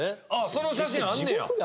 その写真あんねや。